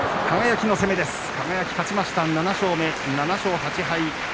輝、勝ちました、７勝目７勝８敗。